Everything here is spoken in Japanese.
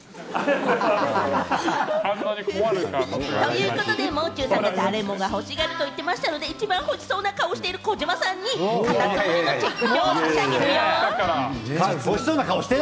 ふふふ、ということでもう中さんが誰もが欲しがると言っていましたので、一番欲しそうな顔をしている児嶋さんにカタツムリのチェック表を差し上げますよ。